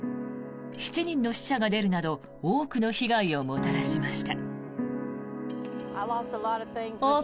７人の死者が出るなど多くの被害をもたらしました。